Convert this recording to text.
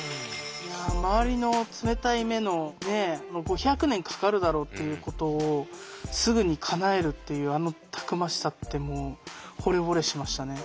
周りの冷たい目の５００年かかるだろうっていうことをすぐにかなえるっていうあのたくましさってもうほれぼれしましたね。